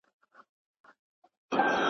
چي ظالم ته مخامخ وي درېدلي .